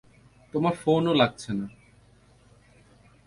তোমার ফোনও লাগছে না।